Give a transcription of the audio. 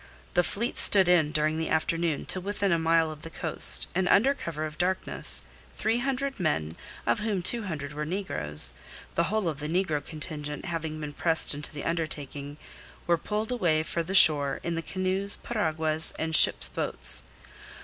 The fleet stood in during the afternoon to within a mile of the coast, and under cover of darkness three hundred men, of whom two hundred were negroes the whole of the negro contingent having been pressed into the undertaking were pulled away for the shore in the canoes, piraguas, and ships' boats.